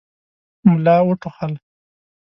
ملا وټوخل.